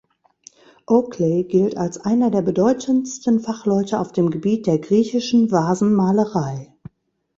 Oakley gilt als einer der bedeutendsten Fachleute auf dem Gebiet der Griechischen Vasenmalerei.